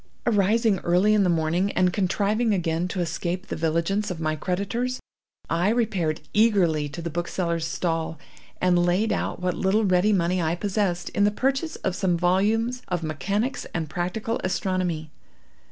Arising early in the morning, and contriving again to escape the vigilance of my creditors, I repaired eagerly to the bookseller's stall, and laid out what little ready money I possessed, in the purchase of some volumes of Mechanics and Practical Astronomy.